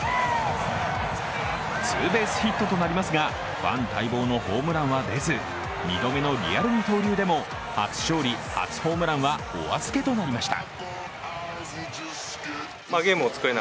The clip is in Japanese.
ツーベースヒットとなりますが、ファン待望のホームランは出ず、２度目のリアル二刀流でも初勝利初ホームランはお預けとなりました。